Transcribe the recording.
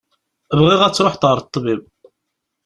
Bɣiɣ ad truḥeḍ ɣer ṭṭbib.